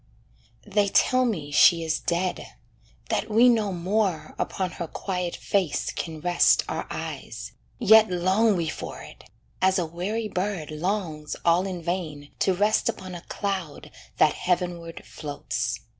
They tell me she is dead, that we no more Upon her quiet face can rest our eyes, Yet long we for it, as a weary bird Longs all in vain to rest upon a cloud That heavenward floats.